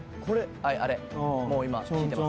はいあれもう今引いてます